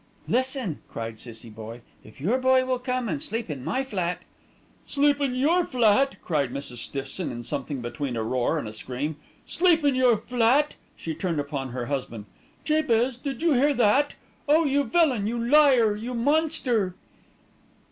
"Listen!" cried Cissie Boye, "if your boy will come and sleep in my flat " "Sleep in your flat!" cried Mrs. Stiffson in something between a roar and a scream. "Sleep in your flat!" She turned upon her husband. "Jabez, did you hear that? Oh! you villain, you liar, you monster!"